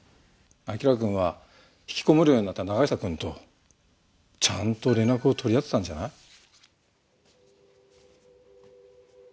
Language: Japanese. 輝くんは引きこもるようになった永久くんとちゃんと連絡を取り合ってたんじゃない？